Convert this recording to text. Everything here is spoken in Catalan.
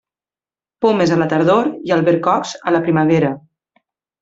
Pomes a la tardor i albercocs a la primavera.